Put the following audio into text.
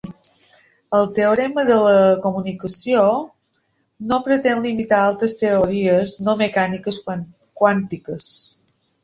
El teorema de la no-comunicació no pretén limitar altres teories no mecàniques quàntiques.